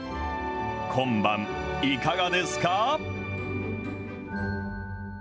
今晩、いかがですか。